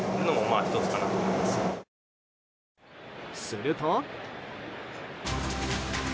すると。